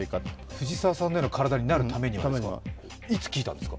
藤澤さんのような体になるためにはですか。